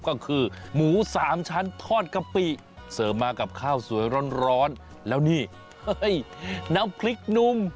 ก็คือหมูสามชั้นทอดกะปิเสริมมากับข้าวสวยร้อนแล้วนี่น้ำพริกนุ่ม